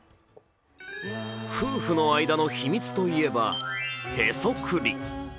夫婦の間の秘密といえば、へそくり。